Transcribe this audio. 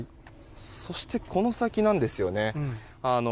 そしてこの先なんですよね。